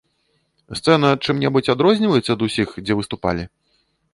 Сцэна чым-небудзь адрозніваецца ад усіх, дзе выступалі?